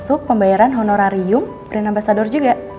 untuk pembayaran honorarium dan ambasador juga